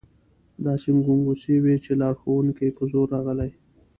داسې ګنګوسې وې چې لارښوونکي په زور راغلي.